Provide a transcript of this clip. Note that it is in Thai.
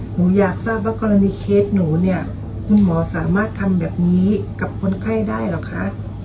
หนูอยากทราบว่ากรณีเคสหนูเนี่ยคุณหมอสามารถทำแบบนี้กับคนไข้ได้เหรอคะ